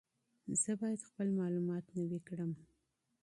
زه باید خپل معلومات نوي کړم.